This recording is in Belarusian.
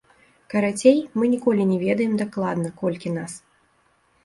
Карацей, мы ніколі не ведаем дакладна, колькі нас.